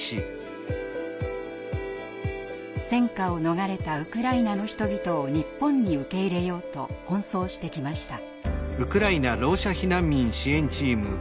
戦禍を逃れたウクライナの人々を日本に受け入れようと奔走してきました。